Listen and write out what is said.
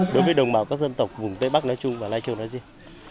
đối với đồng bào các dân tộc vùng tây bắc nói chung và lai châu nói riêng